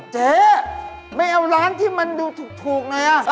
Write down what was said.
เจ๊ไม่เอาร้านที่มันดูถูกหน่อย